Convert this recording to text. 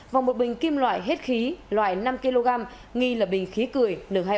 và một bình kim loại hết khí loại năm kg nghi là bình khí cười